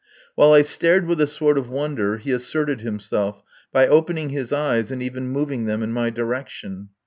While I stared with a sort of wonder he asserted himself by opening his eyes and even moving them in my direction.